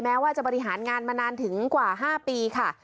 แม้ว่าจะบริหารงานมานานถึงกว่า๕ปีค่ะ